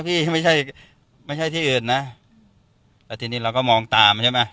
ที่ไม่ใช่ไม่ใช่ที่อื่นนะแล้วทีนี้เราก็มองตามใช่ไหม